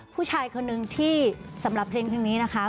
ผู้ชายคนนึงที่สำหรับเพลงนี้นะคะ